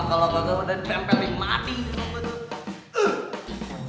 kalau gak gak udah ditempel nikmatin lo betul